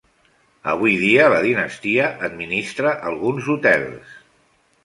Avui dia la dinastia administra alguns hotels.